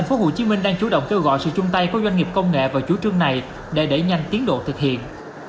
tp hcm đang chú động kêu gọi sự chung tay của doanh nghiệp công nghệ vào chủ trương này để đẩy nhanh tiến độ thực hiện